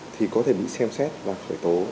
thì có thể bị xem xét và khởi tố